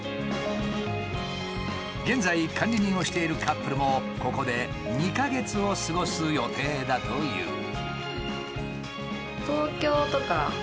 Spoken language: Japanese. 現在管理人をしているカップルもここで２か月を過ごす予定だという。